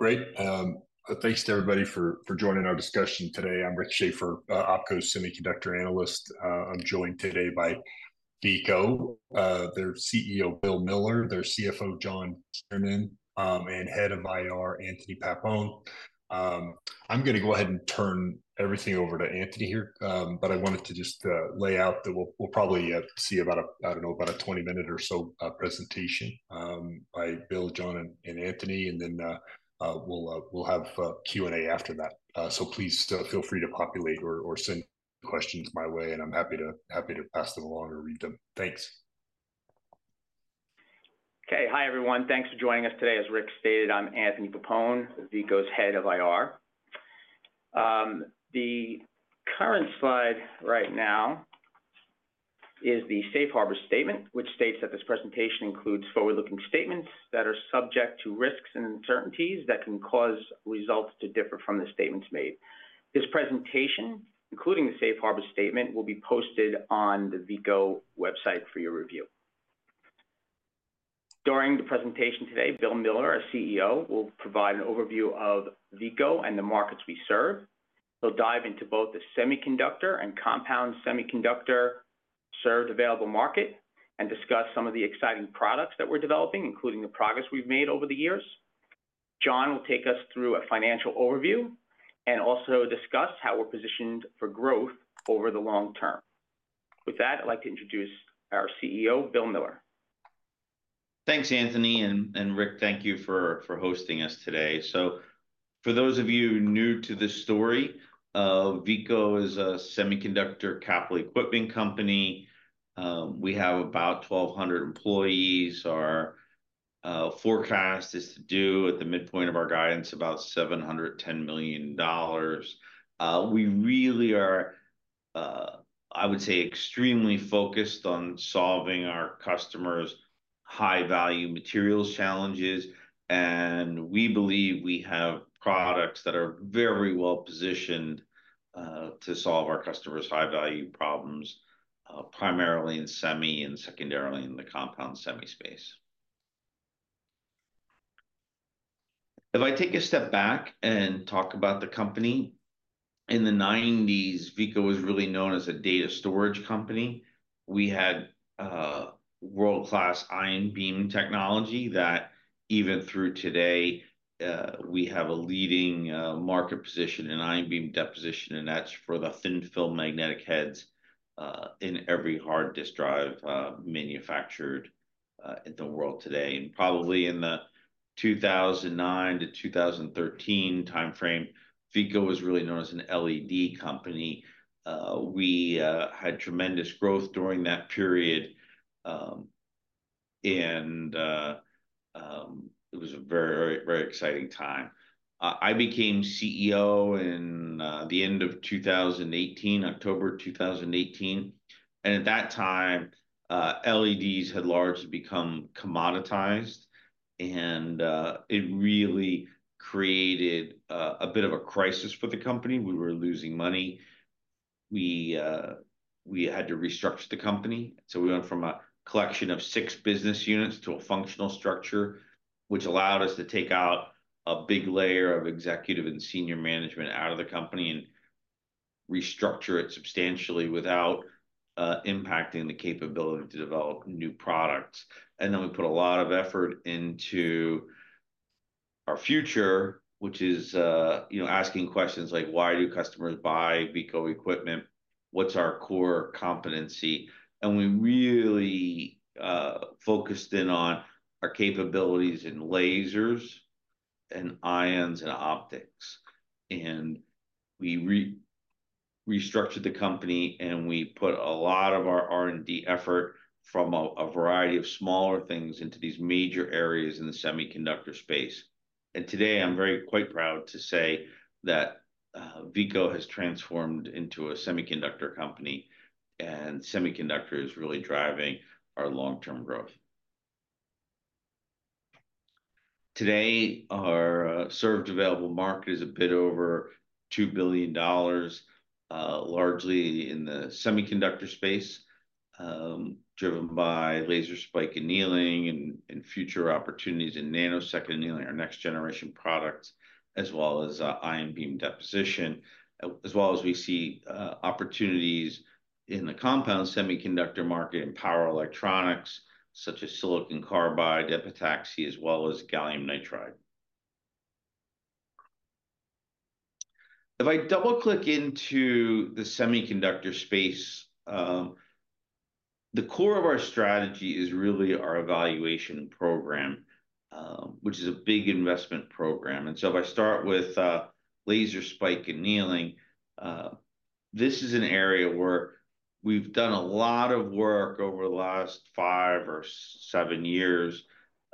Great. Thanks to everybody for joining our discussion today. I'm Rick Schafer, OpCo's semiconductor analyst. I'm joined today by Veeco, their CEO, Bill Miller, their CFO, John Kiernan, and Head of IR, Anthony Pappone. I'm gonna go ahead and turn everything over to Anthony here, but I wanted to just lay out that we'll probably see about a, I don't know, about a 20-minute or so presentation by Bill, John, and Anthony, and then we'll have a Q&A after that. So please feel free to populate or send questions my way, and I'm happy to pass them along or read them. Thanks. Okay. Hi, everyone. Thanks for joining us today. As Rick stated, I'm Anthony Pappone, Veeco's Head of IR. The current slide right now is the safe harbor statement, which states that this presentation includes forward-looking statements that are subject to risks and uncertainties that can cause results to differ from the statements made. This presentation, including the safe harbor statement, will be posted on the Veeco website for your review. During the presentation today, Bill Miller, our CEO, will provide an overview of Veeco and the markets we serve. He'll dive into both the semiconductor and compound semiconductor served available market, and discuss some of the exciting products that we're developing, including the progress we've made over the years. John will take us through a financial overview, and also discuss how we're positioned for growth over the long term. With that, I'd like to introduce our CEO, Bill Miller. Thanks, Anthony, and Rick, thank you for hosting us today. So for those of you new to this story, Veeco is a semiconductor capital equipment company. We have about 1,200 employees. Our forecast is to do at the midpoint of our guidance, about $710 million. We really are, I would say, extremely focused on solving our customers' high-value materials challenges, and we believe we have products that are very well positioned to solve our customers' high-value problems, primarily in semi and secondarily in the compound semi space. If I take a step back and talk about the company, in the 1990s, Veeco was really known as a data storage company. We had world-class ion beam technology that even through today, we have a leading market position in ion beam deposition, and that's for the thin-film magnetic heads in every hard disk drive manufactured in the world today. Probably in the 2009-2013 timeframe, Veeco was really known as an LED company. We had tremendous growth during that period, and it was a very, very exciting time. I became CEO in the end of 2018, October 2018, and at that time, LEDs had largely become commoditized, and it really created a bit of a crisis for the company. We were losing money. We had to restructure the company. So we went from a collection of six business units to a functional structure, which allowed us to take out a big layer of executive and senior management out of the company and restructure it substantially without impacting the capability to develop new products. And then we put a lot of effort into our future, which is, you know, asking questions like: Why do customers buy Veeco equipment? What's our core competency? And we really focused in on our capabilities in lasers and ions and optics. And we restructured the company, and we put a lot of our R&D effort from a variety of smaller things into these major areas in the semiconductor space. And today, I'm very quite proud to say that Veeco has transformed into a semiconductor company, and semiconductor is really driving our long-term growth. Today, our served available market is a bit over $2 billion, largely in the semiconductor space, driven by laser spike annealing and future opportunities in nanosecond annealing, our next-generation products, as well as ion beam deposition, as well as we see opportunities in the compound semiconductor market and power electronics, such as silicon carbide epitaxy, as well as gallium nitride. If I double-click into the semiconductor space, the core of our strategy is really our evaluation program, which is a big investment program. So if I start with laser spike annealing, this is an area where we've done a lot of work over the last five or seven years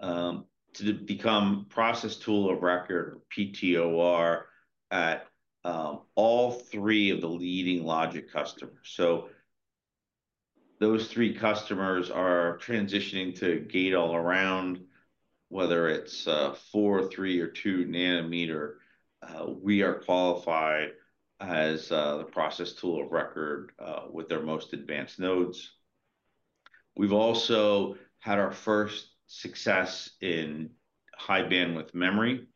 to become process tool of record, PTOR, at all three of the leading logic customers. So those three customers are transitioning to Gate-All-Around, whether it's four, three, or two nanometer, we are qualified as the Process Tool of Record with their most advanced nodes. We've also had our first success in High Bandwidth Memory.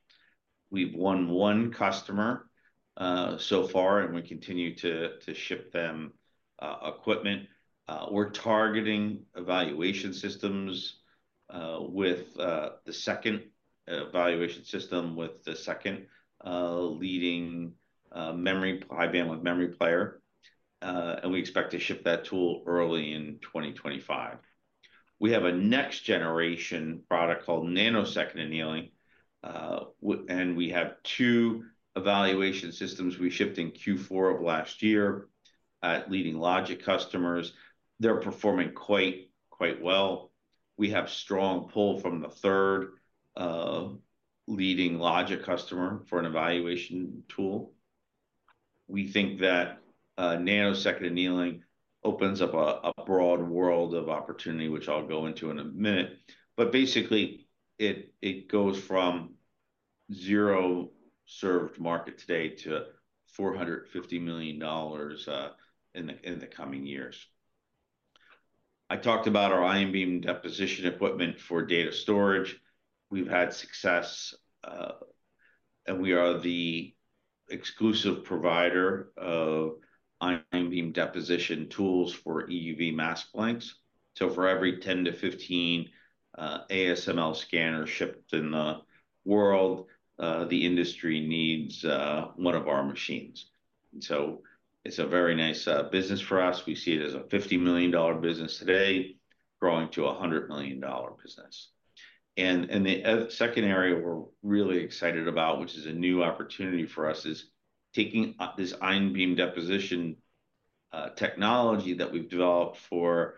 We've won one customer so far, and we continue to ship them equipment. We're targeting evaluation systems with the second evaluation system with the second leading memory High Bandwidth Memory player, and we expect to ship that tool early in 2025. We have a next generation product called Nanosecond Annealing, and we have two evaluation systems we shipped in Q4 of last year at leading logic customers. They're performing quite well. We have strong pull from the third leading logic customer for an evaluation tool. We think that nanosecond annealing opens up a broad world of opportunity, which I'll go into in a minute. But basically it goes from zero served market today to $450 million in the coming years. I talked about our ion beam deposition equipment for data storage. We've had success, and we are the exclusive provider of ion beam deposition tools for EUV mask blanks. So for every 10-15 ASML scanners shipped in the world, the industry needs one of our machines. So it's a very nice business for us. We see it as a $50 million business today, growing to a $100 million business. The second area we're really excited about, which is a new opportunity for us, is taking this ion beam deposition technology that we've developed for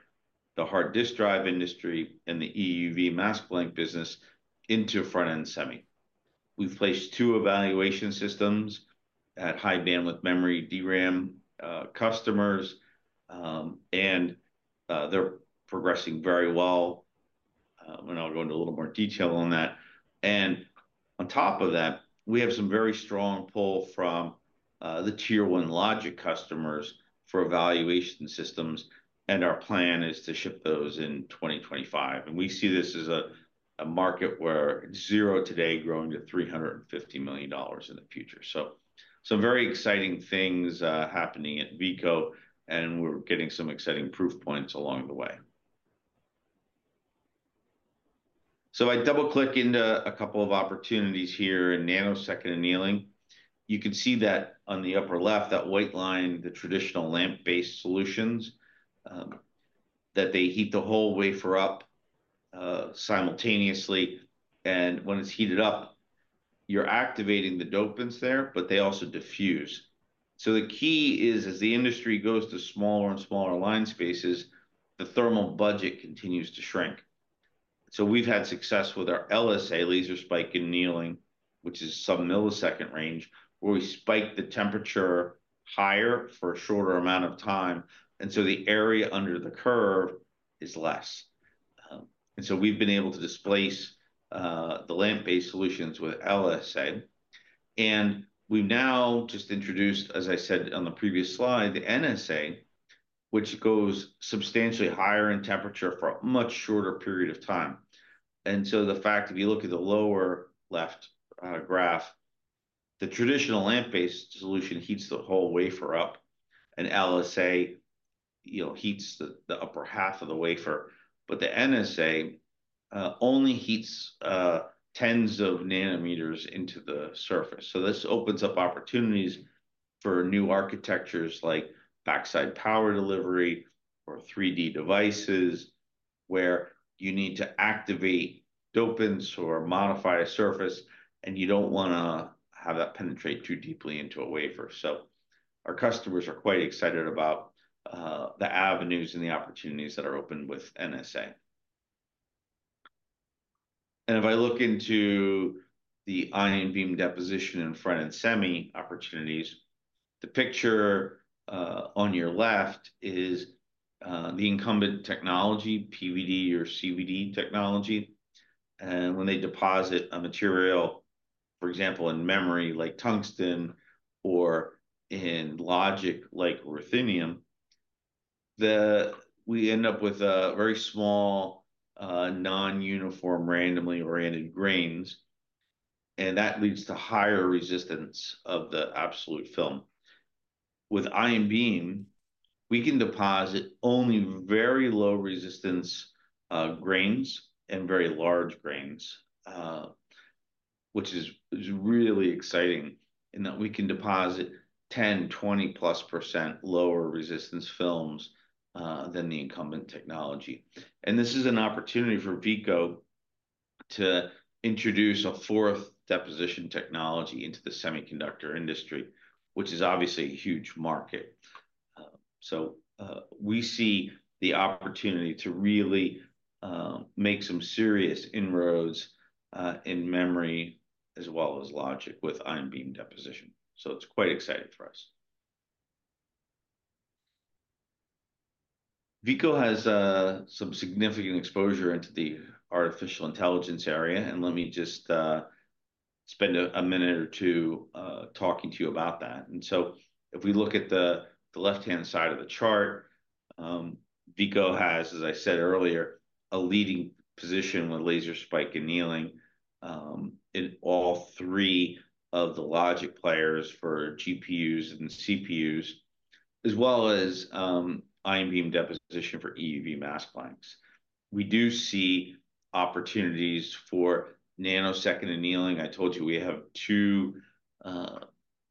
the hard disk drive industry and the EUV mask blank business into front-end semi. We've placed 2 evaluation systems at High Bandwidth Memory DRAM customers, and they're progressing very well. I'll go into a little more detail on that. On top of that, we have some very strong pull from the tier one logic customers for evaluation systems, and our plan is to ship those in 2025. We see this as a market where zero today growing to $350 million in the future. Some very exciting things happening at Veeco, and we're getting some exciting proof points along the way. So I double-click into a couple of opportunities here in nanosecond annealing. You can see that on the upper left, that white line, the traditional lamp-based solutions, that they heat the whole wafer up, simultaneously, and when it's heated up, you're activating the dopants there, but they also diffuse. So the key is, as the industry goes to smaller and smaller line spaces, the thermal budget continues to shrink. So we've had success with our LSA, laser spike annealing, which is sub-millisecond range, where we spike the temperature higher for a shorter amount of time, and so the area under the curve is less. And so we've been able to displace, the lamp-based solutions with LSA. And we've now just introduced, as I said on the previous slide, the NSA, which goes substantially higher in temperature for a much shorter period of time. The fact, if you look at the lower left graph, the traditional lamp-based solution heats the whole wafer up, and LSA, you know, heats the upper half of the wafer. But the NSA only heats tens of nanometers into the surface. So this opens up opportunities for new architectures like backside power delivery or 3D devices, where you need to activate dopants or modify a surface, and you don't wanna have that penetrate too deeply into a wafer. So our customers are quite excited about the avenues and the opportunities that are open with NSA. And if I look into the ion beam deposition in front-end semi opportunities, the picture on your left is the incumbent technology, PVD or CVD technology. When they deposit a material, for example, in memory like tungsten or in logic like ruthenium, we end up with a very small, non-uniform, randomly oriented grains, and that leads to higher resistance of the absolute film. With ion beam, we can deposit only very low resistance, grains and very large grains, which is really exciting in that we can deposit 10%, 20%+ lower resistance films than the incumbent technology. And this is an opportunity for Veeco to introduce a fourth deposition technology into the semiconductor industry, which is obviously a huge market. So, we see the opportunity to really make some serious inroads in memory as well as logic with ion beam deposition. So it's quite exciting for us. Veeco has some significant exposure into the artificial intelligence area, and let me just... spend a minute or two talking to you about that. If we look at the left-hand side of the chart, Veeco has, as I said earlier, a leading position with laser spike annealing in all three of the logic players for GPUs and CPUs, as well as ion beam deposition for EUV mask blanks. We do see opportunities for nanosecond annealing. I told you we have two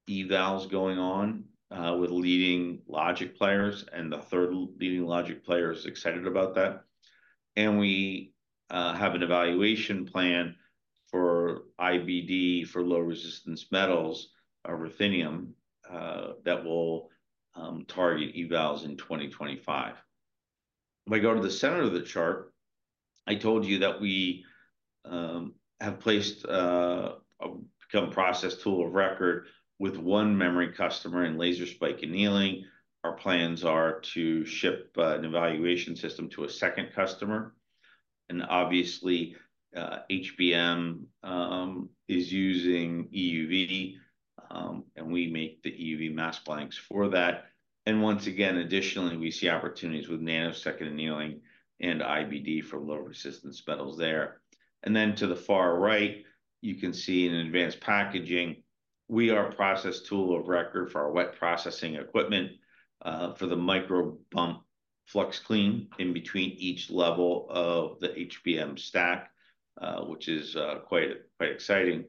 evals going on with leading logic players, and the third leading logic player is excited about that. And we have an evaluation plan for IBD for low-resistance metals, or ruthenium, that will target evals in 2025. If I go to the center of the chart, I told you that we have placed a PTOR with one memory customer in laser spike annealing. Our plans are to ship an evaluation system to a second customer. And obviously, HBM is using EUV, and we make the EUV mask blanks for that. And once again, additionally, we see opportunities with nanosecond annealing and IBD for low-resistance metals there. And then to the far right, you can see in advanced packaging, we are a process tool of record for our wet processing equipment for the micro-bump flux clean in between each level of the HBM stack, which is quite, quite exciting.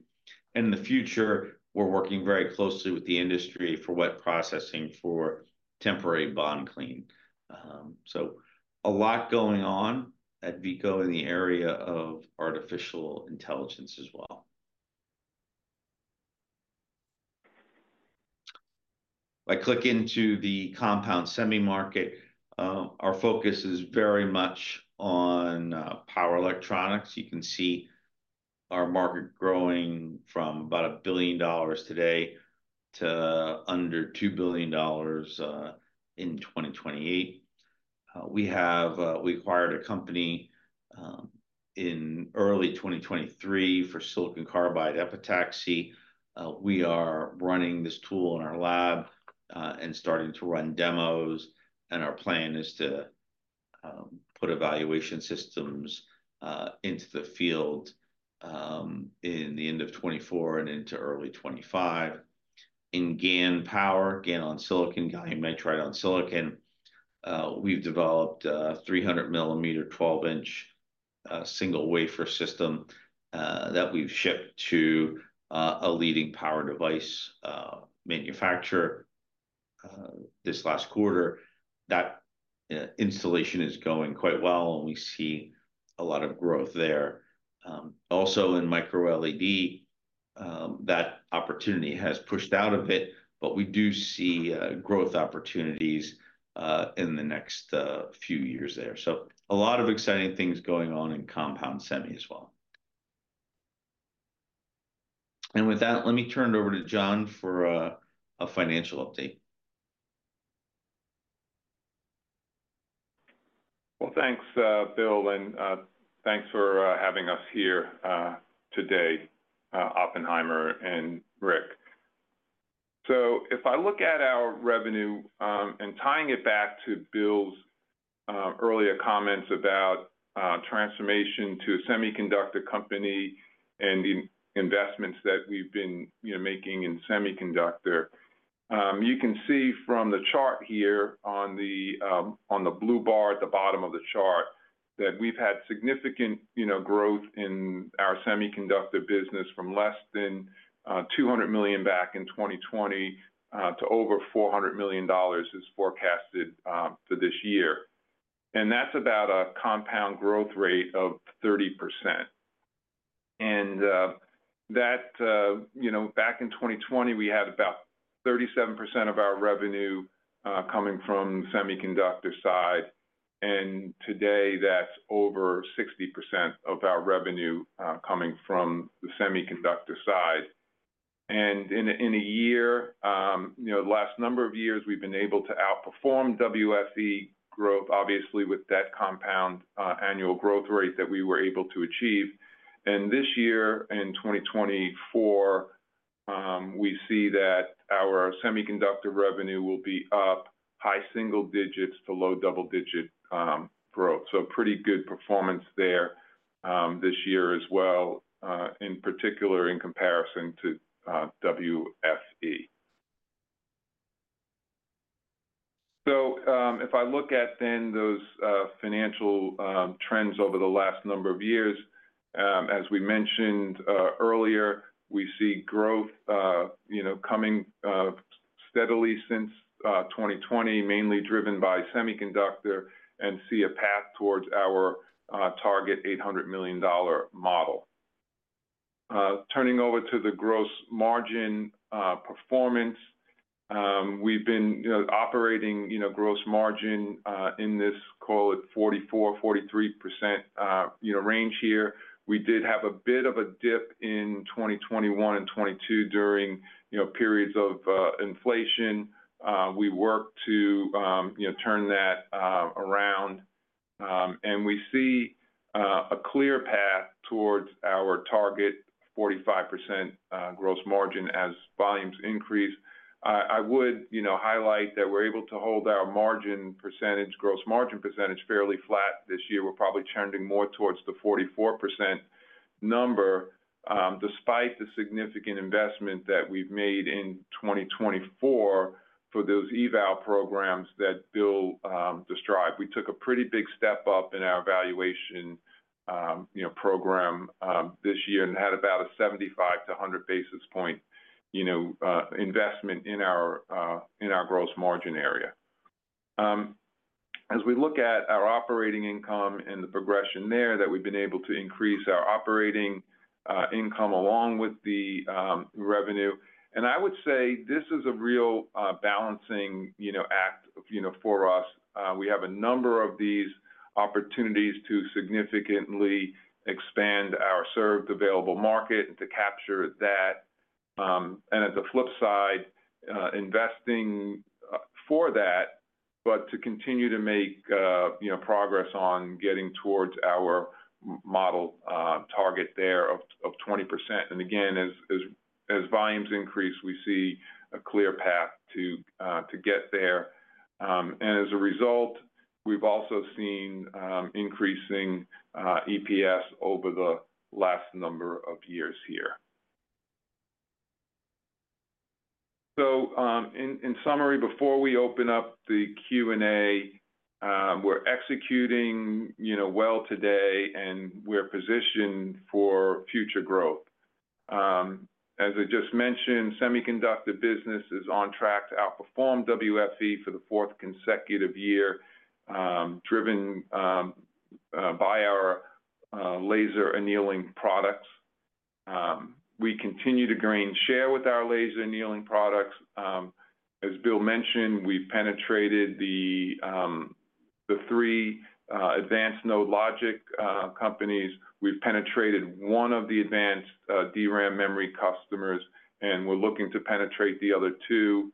In the future, we're working very closely with the industry for wet processing for temporary bond clean. So a lot going on at Veeco in the area of artificial intelligence as well. If I click into the compound semi market, our focus is very much on power electronics. You can see our market growing from about $1 billion today to under $2 billion in 2028. We have we acquired a company in early 2023 for silicon carbide epitaxy. We are running this tool in our lab and starting to run demos, and our plan is to put evaluation systems into the field in the end of 2024 and into early 2025. In GaN power, GaN-on-silicon, gallium nitride on silicon, we've developed a 300 millimeter, 12 in single wafer system that we've shipped to a leading power device manufacturer this last quarter. That installation is going quite well, and we see a lot of growth there. Also in MicroLED, that opportunity has pushed out a bit, but we do see growth opportunities in the next few years there. So a lot of exciting things going on in compound semi as well. And with that, let me turn it over to John for a financial update. Well, thanks, Bill, and, thanks for having us here, today, Oppenheimer and Rick. So if I look at our revenue, and tying it back to Bill's, earlier comments about, transformation to a semiconductor company and the investments that we've been, you know, making in semiconductor, you can see from the chart here on the, on the blue bar at the bottom of the chart, that we've had significant, you know, growth in our semiconductor business from less than $200 million back in 2020, to over $400 million is forecasted, for this year. And that's about a compound growth rate of 30%. That, you know, back in 2020, we had about 37% of our revenue coming from semiconductor side, and today, that's over 60% of our revenue coming from the semiconductor side. In the last number of years, we've been able to outperform WFE growth, obviously, with that compound annual growth rate that we were able to achieve. This year, in 2024, we see that our semiconductor revenue will be up high single digits to low double-digit growth. So pretty good performance there, this year as well, in particular in comparison to WFE. So, if I look at the financial trends over the last number of years, as we mentioned earlier, we see growth, you know, coming steadily since 2020, mainly driven by semiconductor, and see a path towards our target $800 million model. Turning over to the gross margin performance, we've been, you know, operating, you know, gross margin in this, call it 44%-43% range here. We did have a bit of a dip in 2021 and 2022 during, you know, periods of inflation. We worked to, you know, turn that around, and we see a clear path towards our target 45% gross margin as volumes increase. I would, you know, highlight that we're able to hold our margin percentage, gross margin percentage, fairly flat this year. We're probably trending more towards the 44% number, despite the significant investment that we've made in 2024 for those eval programs that Bill described. We took a pretty big step up in our evaluation, you know, program this year and had about a 75-100 basis point, you know, investment in our gross margin area. As we look at our operating income and the progression there, that we've been able to increase our operating income along with the revenue. And I would say this is a real balancing, you know, act, you know, for us. We have a number of these opportunities to significantly expand our served available market and to capture that. And on the flip side, investing for that, but to continue to make, you know, progress on getting towards our model target there of 20%. And again, as volumes increase, we see a clear path to get there. And as a result, we've also seen increasing EPS over the last number of years here. So, in summary, before we open up the Q&A, we're executing, you know, well today, and we're positioned for future growth. As I just mentioned, semiconductor business is on track to outperform WFE for the fourth consecutive year, driven by our laser annealing products. We continue to gain share with our laser annealing products. As Bill mentioned, we've penetrated the three advanced node logic companies. We've penetrated one of the advanced DRAM memory customers, and we're looking to penetrate the other two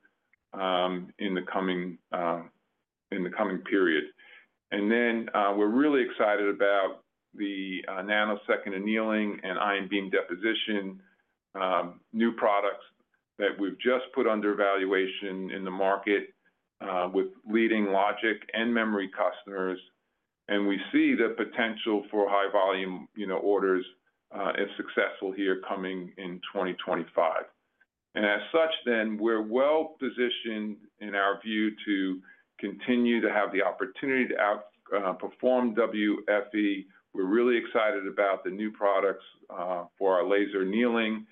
in the coming period. And then, we're really excited about the nanosecond annealing and ion beam deposition new products that we've just put under evaluation in the market with leading logic and memory customers, and we see the potential for high volume, you know, orders if successful here, coming in 2025. And as such then, we're well-positioned, in our view, to continue to have the opportunity to outperform WFE. We're really excited about the new products for our laser annealing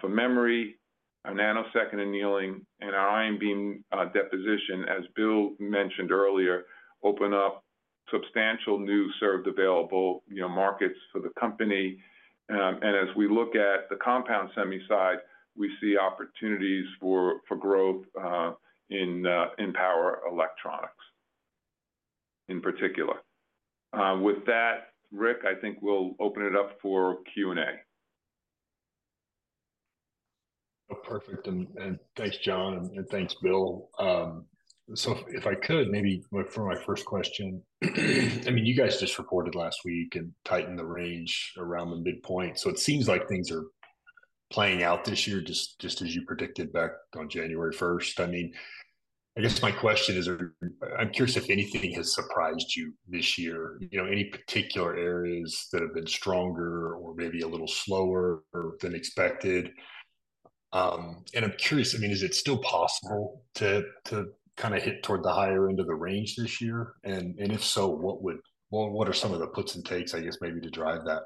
for memory, our nanosecond annealing, and our ion beam deposition, as Bill mentioned earlier, open up substantial new served available, you know, markets for the company. And as we look at the compound semi side, we see opportunities for growth in power electronics, in particular. With that, Rick, I think we'll open it up for Q&A. Oh, perfect. And thanks, John, and thanks, Bill. So if I could, maybe for my first question, I mean, you guys just reported last week and tightened the range around the mid point, so it seems like things are playing out this year, just as you predicted back on January 1st. I mean, I guess my question is, I'm curious if anything has surprised you this year, you know, any particular areas that have been stronger or maybe a little slower than expected. And I'm curious, I mean, is it still possible to kinda hit toward the higher end of the range this year? And if so, well, what are some of the puts and takes, I guess, maybe to drive that?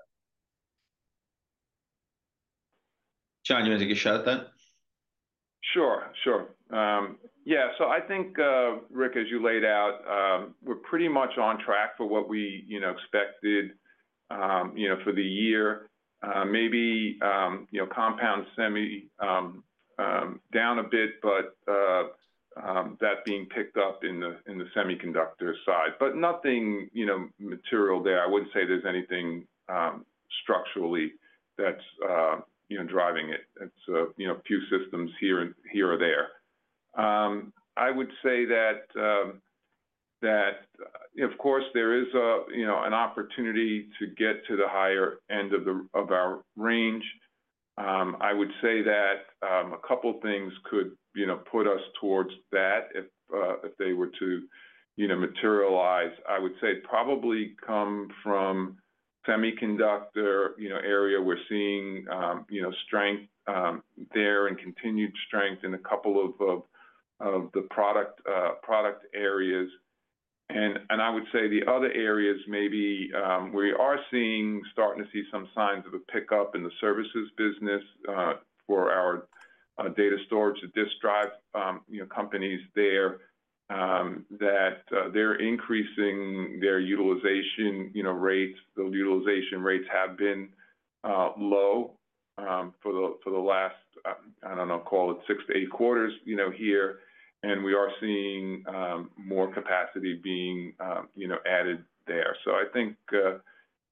John, you want to take a shot at that? Sure, sure. Yeah, so I think, Rick, as you laid out, we're pretty much on track for what we, you know, expected, you know, for the year. Maybe, you know, compound semi, down a bit, but, that being picked up in the semiconductor side, but nothing, you know, material there. I wouldn't say there's anything, structurally that's, you know, driving it. It's, you know, few systems here or there. I would say that, of course, there is a, you know, an opportunity to get to the higher end of our range. I would say that, a couple things could, you know, put us towards that if they were to, you know, materialize. I would say probably come from semiconductor, you know, area. We're seeing, you know, strength there and continued strength in a couple of the product areas. I would say the other areas may be, we are seeing starting to see some signs of a pickup in the services business, for our data storage, the disk drive, you know, companies there, that they're increasing their utilization, you know, rates. Those utilization rates have been low for the last, I don't know, call it 6-8 quarters, you know, here, and we are seeing more capacity being, you know, added there. So I think,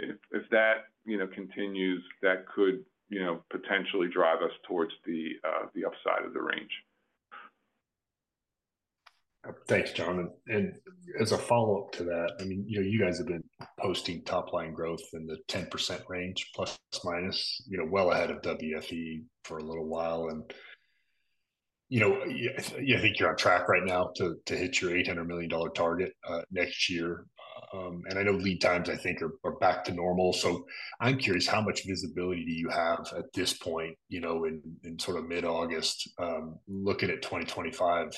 if that, you know, continues, that could, you know, potentially drive us towards the upside of the range. Thanks, John. And as a follow-up to that, I mean, you know, you guys have been posting top line growth in the 10% range, plus or minus, you know, well ahead of WFE for a little while, and, you know, I think you're on track right now to hit your $800 million target next year. And I know lead times, I think, are back to normal. So I'm curious, how much visibility do you have at this point, you know, in sort of mid-August, looking at 2025?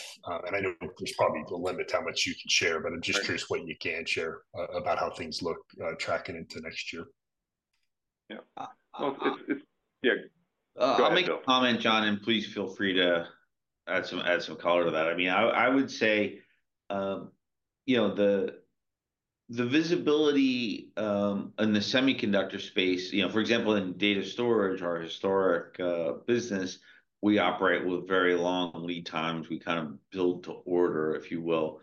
And I know there's probably a limit to how much you can share, but I'm just curious what you can share about how things look, tracking into next year. Yeah. Well, yeah. Go ahead, Bill. I'll make a comment, John, and please feel free to add some, add some color to that. I mean, I, I would say, you know, the visibility in the semiconductor space, you know, for example, in data storage, our historic business, we operate with very long lead times. We kind of build to order, if you will.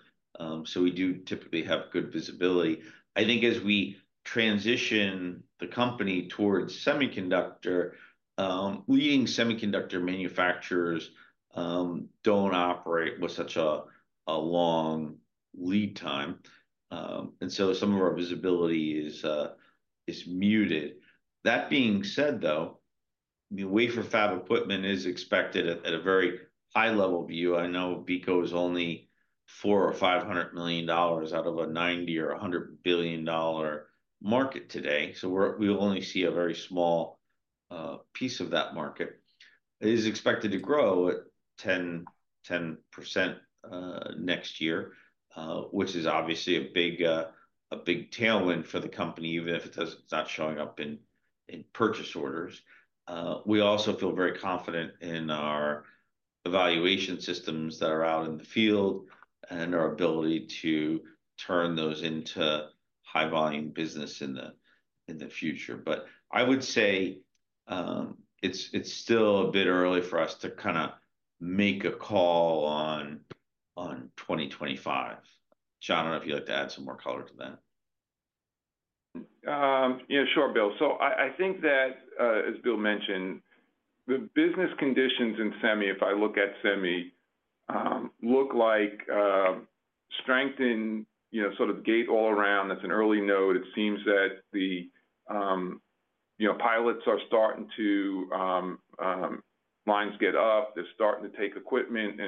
So we do typically have good visibility. I think as we transition the company towards semiconductor, leading semiconductor manufacturers don't operate with such a long lead time. And so some of our visibility is muted. That being said, though, the wafer fab equipment is expected at a very high level view. I know Veeco is only $400 million-$500 million out of a $90 billion-$100 billion market today, so we only see a very small piece of that market. It is expected to grow at 10% next year, which is obviously a big tailwind for the company, even if it's not showing up in purchase orders. We also feel very confident in our evaluation systems that are out in the field, and our ability to turn those into high-volume business in the future. But I would say, it's still a bit early for us to kinda make a call on 2025. John, I don't know if you'd like to add some more color to that. Yeah, sure, Bill. So I think that, as Bill mentioned, the business conditions in Semi, if I look at Semi, look like, strength in, you know, sort of Gate-All-Around. That's an early node. It seems that the, you know, pilots are starting to, lines get up, they're starting to take equipment,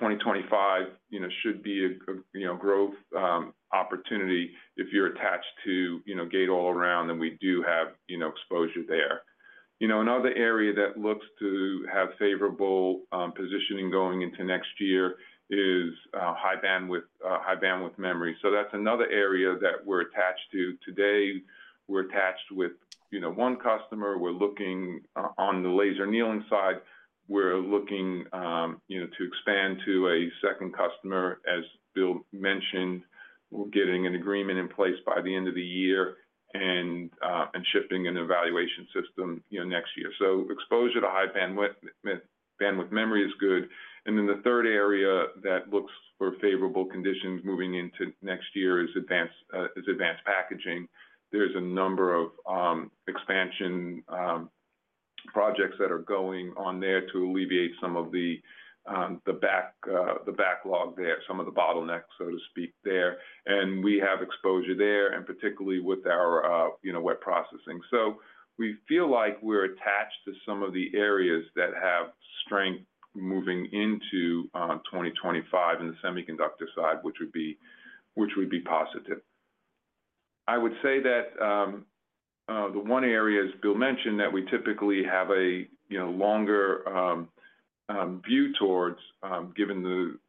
and 2025, you know, should be a growth opportunity if you're attached to, you know, Gate-All-Around, and we do have, you know, exposure there. You know, another area that looks to have favorable, positioning going into next year is, high bandwidth memory. So that's another area that we're attached to. Today, we're attached with, you know, one customer. We're looking on the laser annealing side, we're looking, you know, to expand to a second customer. As Bill mentioned, we're getting an agreement in place by the end of the year, and shipping an evaluation system, you know, next year. So exposure to high bandwidth memory is good. And then the third area that looks for favorable conditions moving into next year is advanced packaging. There's a number of expansion projects that are going on there to alleviate some of the backlog there, some of the bottlenecks, so to speak, there. And we have exposure there, and particularly with our, you know, wet processing. So we feel like we're attached to some of the areas that have strength moving into 2025 in the semiconductor side, which would be, which would be positive. I would say that the one area, as Bill mentioned, that we typically have a, you know, longer view towards, given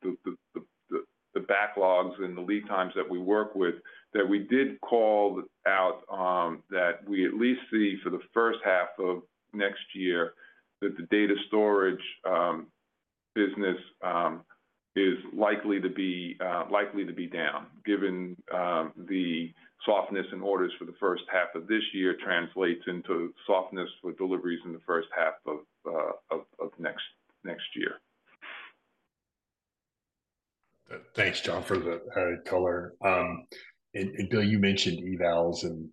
the backlogs and the lead times that we work with, that we did call out, that we at least see for the H1 of next year, that the data storage business is likely to be down, given the softness in orders for the H1 of this year translates into softness with deliveries in the H1 of next year. Thanks, John, for the color. And Bill, you mentioned evals and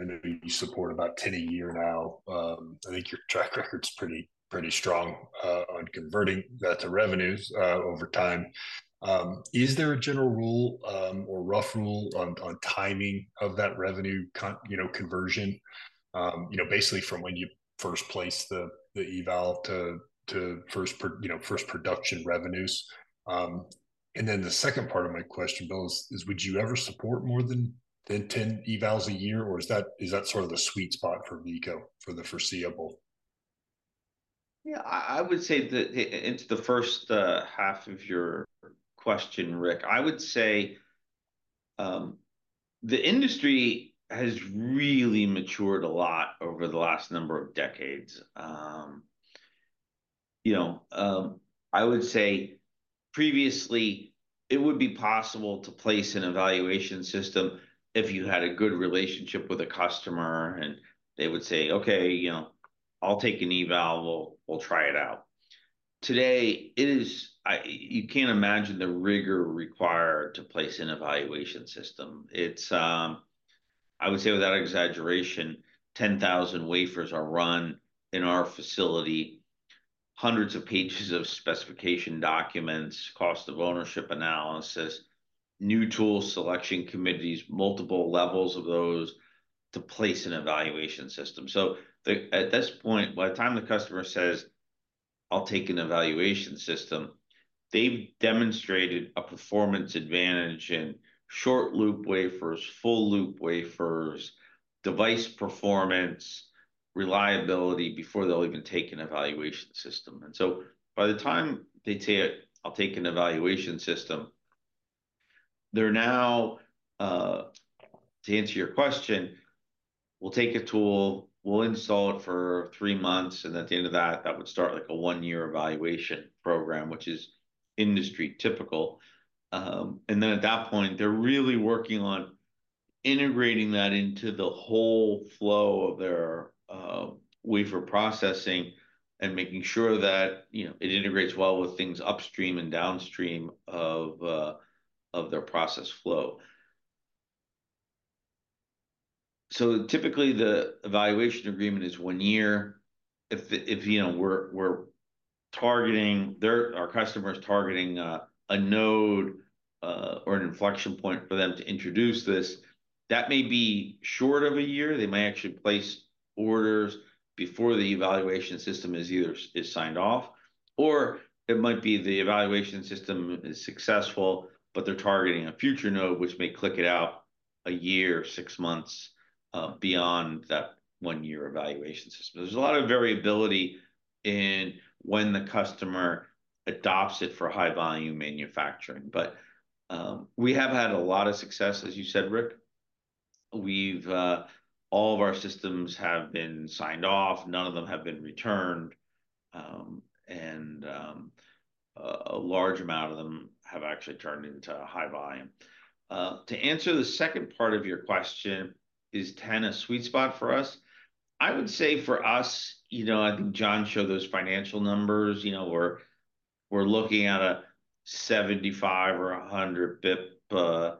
I know you support about 10 a year now. I think your track record's pretty strong on converting that to revenues over time. Is there a general rule or rough rule on timing of that revenue conversion? You know, basically from when you first place the eval to first production revenues. And then the second part of my question, Bill, is would you ever support more than 10 evals a year, or is that sort of the sweet spot for Veeco for the foreseeable? Yeah, I would say that into the H1 of your question, Rick, I would say, the industry has really matured a lot over the last number of decades. You know, I would say previously, it would be possible to place an evaluation system if you had a good relationship with a customer, and they would say, "Okay, you know, I'll take an eval. We'll try it out." Today, it is, you can't imagine the rigor required to place an evaluation system. It's, I would say without exaggeration, 10,000 wafers are run in our facility, hundreds of pages of specification documents, cost of ownership analysis, new tool selection committees, multiple levels of those to place an evaluation system. So at this point, by the time the customer says, I'll take an evaluation system, they've demonstrated a performance advantage in short-loop wafers, full-loop wafers, device performance, reliability, before they'll even take an evaluation system. And so by the time they say, I'll take an evaluation system, they're now to answer your question, we'll take a tool, we'll install it for three months, and at the end of that, that would start, like, a one-year evaluation program, which is industry typical. And then at that point, they're really working on integrating that into the whole flow of their wafer processing and making sure that, you know, it integrates well with things upstream and downstream of their process flow. So typically, the evaluation agreement is one year. If you know, we're targeting, our customer is targeting a node or an inflection point for them to introduce this, that may be short of a year. They may actually place orders before the evaluation system is either signed off, or it might be the evaluation system is successful, but they're targeting a future node, which may click it out a year, six months beyond that one-year evaluation system. There's a lot of variability in when the customer adopts it for high-volume manufacturing. But we have had a lot of success, as you said, Rick. We've all of our systems have been signed off, none of them have been returned. And a large amount of them have actually turned into high volume. To answer the second part of your question, is 10 a sweet spot for us? I would say for us, you know, I think John showed those financial numbers. You know, we're looking at a 75 or 100 basis points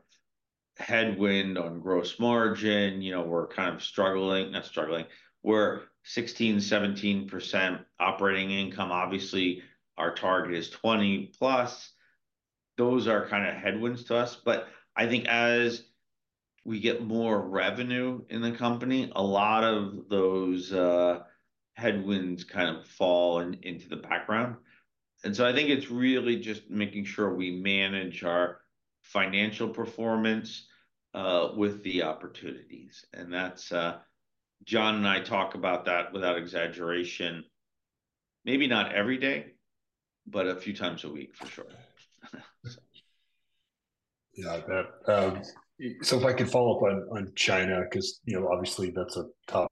headwind on gross margin. You know, we're kind of struggling, not struggling. We're 16%-17% operating income. Obviously, our target is 20+. Those are kind of headwinds to us, but I think as we get more revenue in the company, a lot of those headwinds kind of fall into the background. And so I think it's really just making sure we manage our financial performance with the opportunities. And that's John and I talk about that, without exaggeration, maybe not every day, but a few times a week, for sure. Yeah, that... So if I could follow up on China, 'cause, you know, obviously, that's a topic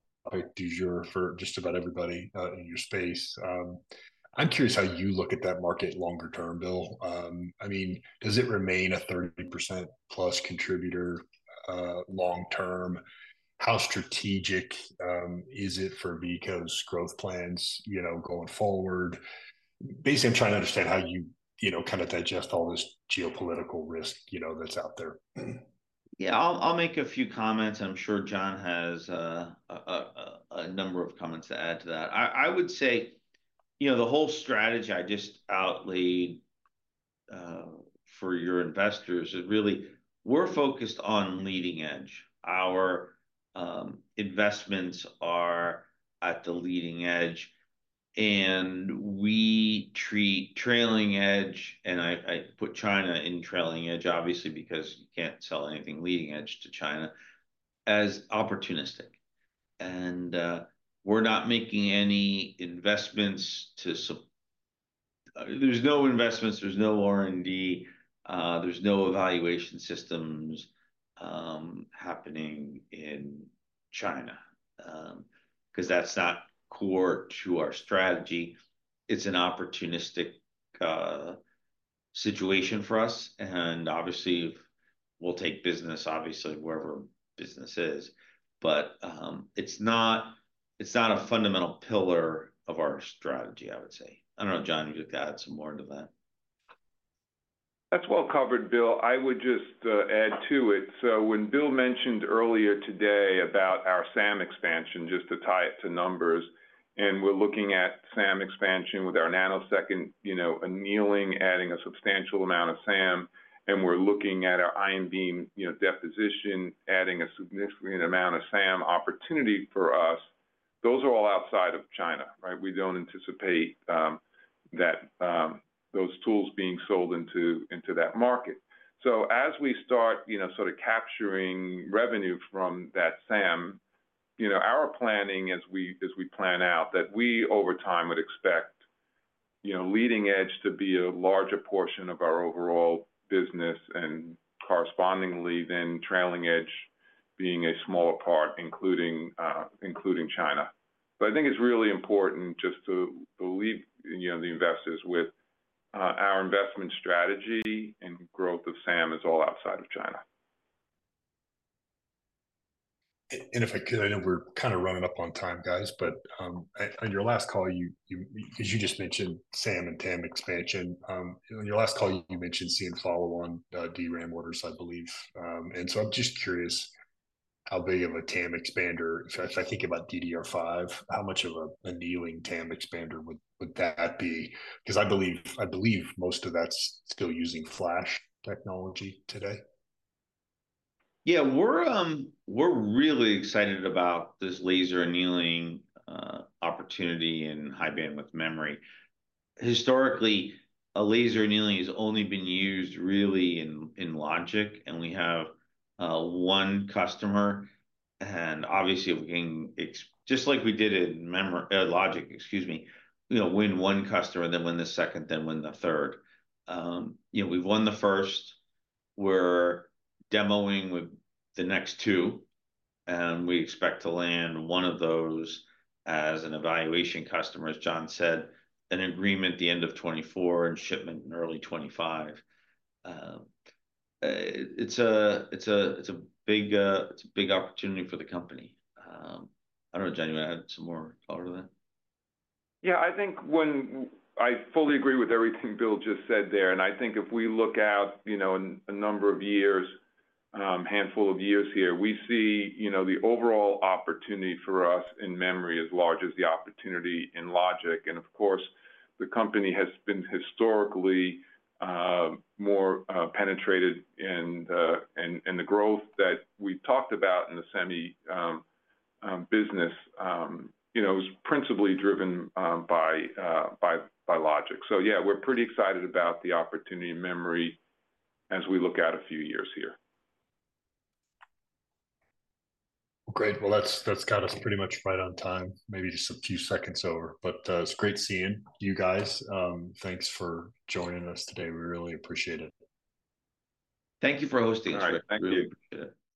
du jour for just about everybody in your space. I'm curious how you look at that market longer term, Bill. I mean, does it remain a 30%+ contributor long term? How strategic is it for Veeco's growth plans, you know, going forward? Basically, I'm trying to understand how you, you know, kind of digest all this geopolitical risk, you know, that's out there. Yeah, I'll make a few comments. I'm sure John has a number of comments to add to that. I would say, you know, the whole strategy I just outlaid for your investors, it really. We're focused on leading edge. Our investments are at the leading edge, and we treat trailing edge, and I put China in trailing edge, obviously, because you can't sell anything leading edge to China, as opportunistic. And, we're not making any investments. There's no investments, there's no R&D, there's no evaluation systems happening in China. 'Cause that's not core to our strategy. It's an opportunistic situation for us, and obviously, we'll take business, obviously, wherever business is. But, it's not, it's not a fundamental pillar of our strategy, I would say. I don't know, John, you could add some more into that. That's well covered, Bill. I would just add to it. So when Bill mentioned earlier today about our SAM expansion, just to tie it to numbers, and we're looking at SAM expansion with our nanosecond, you know, annealing, adding a substantial amount of SAM, and we're looking at our ion beam, you know, deposition, adding a significant amount of SAM opportunity for us. Those are all outside of China, right? We don't anticipate that those tools being sold into that market. So as we start, you know, sort of capturing revenue from that SAM, you know, our planning as we plan out that we, over time, would expect, you know, leading edge to be a larger portion of our overall business, and correspondingly, then trailing edge being a smaller part, including China. But I think it's really important just to believe, you know, the investors with our investment strategy, and growth of SAM is all outside of China. If I could, I know we're kind of running up on time, guys, but on your last call, you just mentioned SAM and TAM expansion. On your last call, you mentioned seeing follow-on DRAM orders, I believe. And so I'm just curious how big of a TAM expander, if I think about DDR5, how much of an annealing TAM expander would that be? Cause I believe most of that's still using flash technology today. Yeah, we're really excited about this laser annealing opportunity in high bandwidth memory. Historically, a laser annealing has only been used really in logic, and we have one customer, and obviously we can just like we did in memory, logic, excuse me, you know, win one customer, then win the second, then win the third. You know, we've won the first. We're demoing with the next two, and we expect to land one of those as an evaluation customer, as John said, an agreement at the end of 2024 and shipment in early 2025. It's a big opportunity for the company. I don't know, John, you want to add some more color to that? Yeah, I think when... I fully agree with everything Bill just said there, and I think if we look out, you know, a number of years, handful of years here, we see, you know, the overall opportunity for us in memory as large as the opportunity in logic. And of course, the company has been historically more penetrated in the growth that we talked about in the semi business. You know, it was principally driven by logic. So yeah, we're pretty excited about the opportunity in memory as we look out a few years here. Great. Well, that's got us pretty much right on time, maybe just a few seconds over. But, it's great seeing you guys. Thanks for joining us today. We really appreciate it. Thank you for hosting. All right. Thank you. We appreciate it.